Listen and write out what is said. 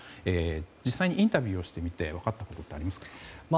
実際にインタビューをしてみて分かったことはありますか？